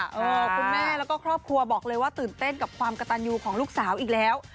คุณแม่แล้วก็ครอบครัวบอกเลยว่าตื่นเต้นกับความกระตันยูของลูกสาวอีกแล้ว